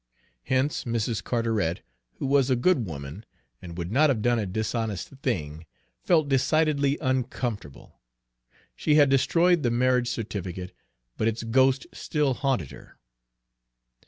Hence Mrs. Carteret, who was a good woman, and would not have done a dishonest thing, felt decidedly uncomfortable. She had destroyed the marriage certificate, but its ghost still haunted her.